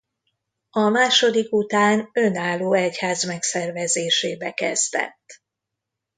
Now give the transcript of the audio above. A második után önálló egyház megszervezésébe kezdett.